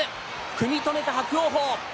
組み止めた伯桜鵬。